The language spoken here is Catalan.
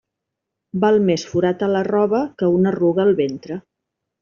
Val més forat a la roba que una arruga al ventre.